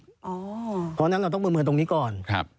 เพราะฉะนั้นเราต้องประเมินตรงนี้ก่อน